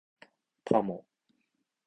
パモ